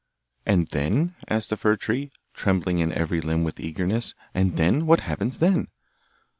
'And then?' asked the fir tree, trembling in every limb with eagerness, 'and then? what happens then?